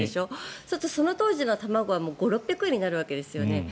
そうすると、その当時の卵は５００６００円ぐらいになるわけですよね。